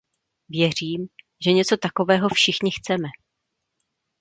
Věřím, že něco takového všichni chceme.